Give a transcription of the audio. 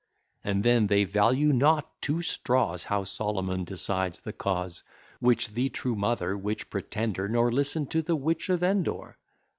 And then they value not two straws, How Solomon decides the cause, Which the true mother, which pretender Nor listen to the witch of Endor.